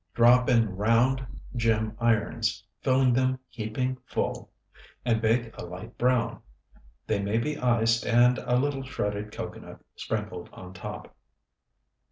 Drop in round gem irons, filling them heaping full, and bake a light brown. They may be iced and a little shredded cocoanut sprinkled on top.